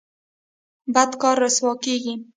بد کار رسوا کیږي